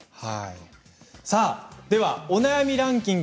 ではお悩みランキング